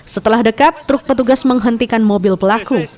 setelah dekat truk petugas menghentikan mobil pelaku